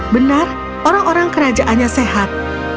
benar orang orang kerajaannya sehat